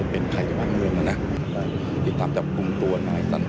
ทีนี้ก็ไม่อยากจะให้ข้อมูลอะไรมากนะกลัวจะเป็นการตอกย้ำเสียชื่อเสียชื่อเสียงให้กับครอบครัวของผู้เสียหายนะคะ